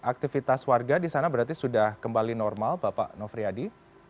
aktivitas warga di sana berarti sudah kembali normal bapak nofriyadi